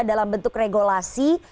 dalam bentuk regulasi